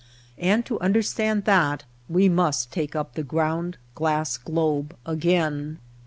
And to understand that we must take up the ground glass globe again.